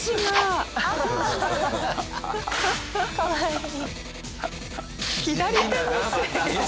かわいい。